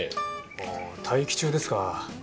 は待機中ですか。